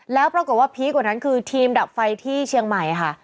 แล้วปรากฏว่าพีคกว่านั้นคือทีมดับไฟที่เชียงใหม่ค่ะ